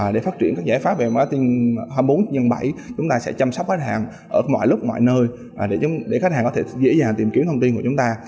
để phát triển các giải pháp về marting hai mươi bốn x bảy chúng ta sẽ chăm sóc khách hàng ở mọi lúc mọi nơi để khách hàng có thể dễ dàng tìm kiếm thông tin của chúng ta